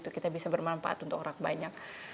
kita bisa bermanfaat untuk orang banyak